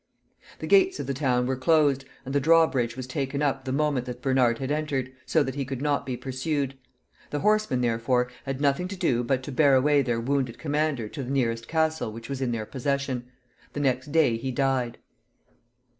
The gates of the town were closed, and the drawbridge was taken up the moment that Bernard had entered, so that he could not be pursued. The horsemen, therefore, had nothing to do but to bear away their wounded commander to the nearest castle which was in their possession. The next day he died.